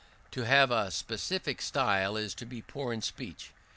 To have a specific style is to be poor in speech.